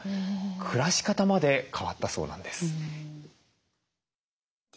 暮らし方まで変わったそうなんです。